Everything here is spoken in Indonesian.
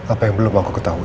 apa yang belum aku ketahui